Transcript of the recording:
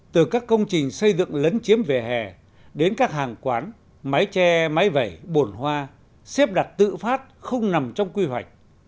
từ các công trình xây dựng lấn chiếm về hè đến các hàng quán mái che mái vẩy bổn hoa xếp đặt tự phát không nằm trong quy hoạch